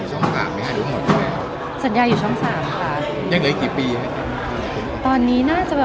เจนนี่ขอบคุณดิวไว้แล้ว